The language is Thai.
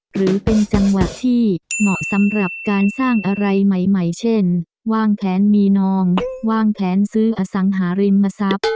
หรือเป็นจังหวะที่เหมาะสำหรับการสร้างอะไรใหม่เช่นวางแผนมีนองวางแผนซื้ออสังหาริมทรัพย์